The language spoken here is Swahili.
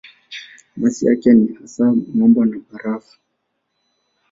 Masi yake ni hasa mwamba na barafu.